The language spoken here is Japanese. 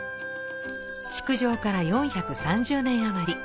築城から４３０年余り。